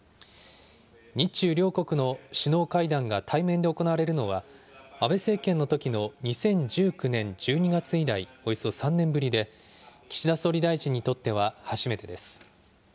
日中両国の首脳会談が対面で行われるのは、安倍政権のときの２０１９年１２月以来、およそ３年ぶりで、岸田総理大臣にとっては初めてです。